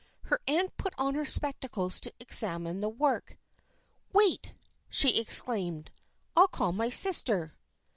Her aunt put on her spectacles to examine the work. "Wait!" she exclaimed. "I'll call my sister."